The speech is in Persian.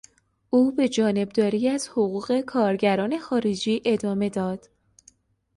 او به جانبداری از حقوق کارگران خارجی ادامه داد.